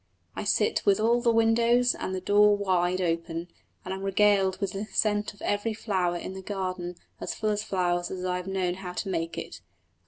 I sit with all the windows and the door wide open, and am regaled with the scent of every flower in a garden as full of flowers as I have known how to make it.